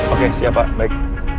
oke siap pak baik